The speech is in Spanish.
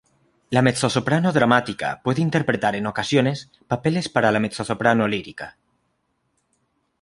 La mezzosoprano dramática puede interpretar en ocasiones papeles para la mezzosoprano lírica.